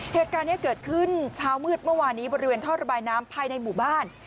เหตุการณ์นี้เกิดขึ้นเช้ามืดเมื่อวานนี้บริเวณท่อระบายน้ำภายในหมู่บ้าน